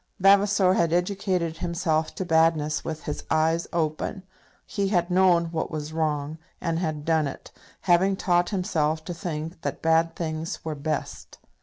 Vavasor had educated himself to badness with his eyes open. He had known what was wrong, and had done it, having taught himself to think that bad things were best.